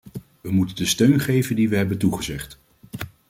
We moeten de steun geven die we hebben toegezegd.